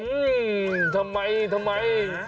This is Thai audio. อืมทำไมทำไม